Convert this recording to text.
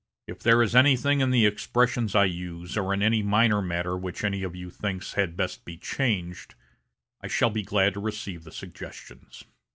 If there is anything in the expressions I use, or in any minor matter which any one of you thinks had best be changed, I shall be glad to receive the suggestions.